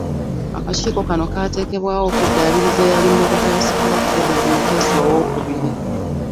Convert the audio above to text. Akakiiko Kano kaateeekebwawo okuddaabiriza eyali emmotoka ya Ssekabaka Edward Muteesa owookubiri.